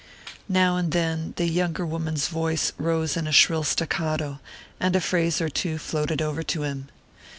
Now and then the younger woman's voice rose in a shrill staccato, and a phrase or two floated over to him.